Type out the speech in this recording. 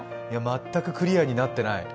全くクリアになってない。